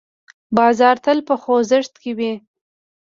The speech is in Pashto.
بازار تل په خوځښت کې وي.